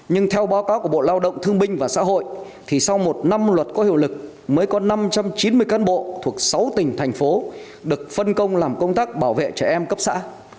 nhưng theo báo cáo của bộ lao động thương binh và xã hội thì sau một năm luật có hiệu lực mới có năm trăm chín mươi cán bộ thuộc sáu tỉnh thành phố được phân công làm công tác bảo vệ trẻ em cấp xã